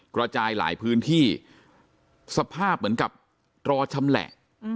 กระจายหลายพื้นที่สภาพเหมือนกับรอชำแหละ